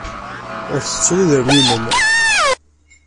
Ur tettuḍ idrimen-nnem.